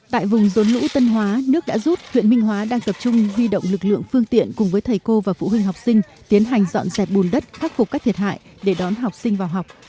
tại vùng rốn lũ tân hóa nước đã rút huyện minh hóa đang tập trung huy động lực lượng phương tiện cùng với thầy cô và phụ huynh học sinh tiến hành dọn dẹp bùn đất khắc phục các thiệt hại để đón học sinh vào học